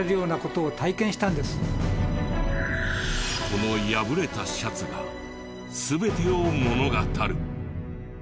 この破れたシャツが全てを物語る。